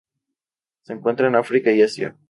Se encuentra en África y Asia.